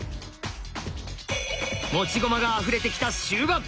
持ち駒があふれてきた終盤